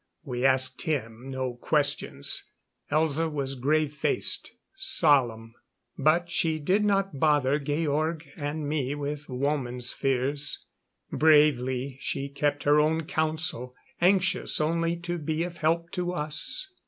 We asked him no questions. Elza was grave faced, solemn. But she did not bother Georg and me with woman's fears. Bravely she kept her own counsel, anxious only to be of help to us.